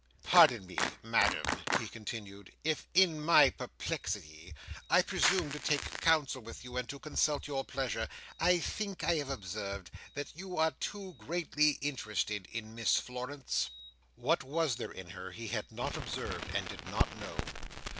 "Pardon me, Madam," he continued, "if in my perplexity, I presume to take counsel with you, and to consult your pleasure. I think I have observed that you are greatly interested in Miss Florence?" What was there in her he had not observed, and did not know?